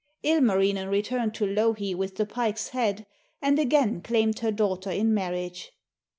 Ilmarinen returned to Louhi with the pike's head and again claimed her daughter in marriage.